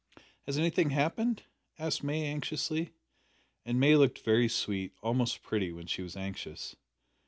"Has anything happened?" asked May anxiously. And May looked very sweet, almost pretty, when she was anxious.